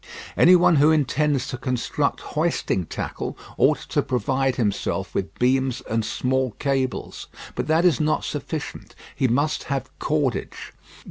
Any one who intends to construct hoisting tackle ought to provide himself with beams and small cables. But that is not sufficient. He must have cordage.